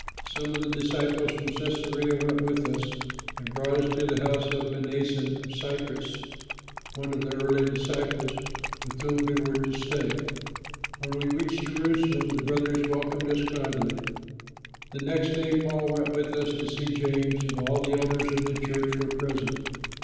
Some of the disciples from Cæsarea went with us and brought us to the house of Mnason of Cyprus, one of the early disciples, with whom we were to stay. When we reached Jerusalem the brothers welcomed us gladly. The next day Paul went with us to see James, and all the elders of the church were present.